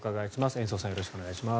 延増さんよろしくお願いします。